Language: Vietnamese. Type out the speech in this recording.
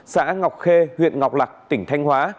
xã ngọc khê huyện ngọc lạc tỉnh thanh hóa